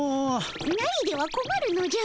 ないではこまるのじゃ。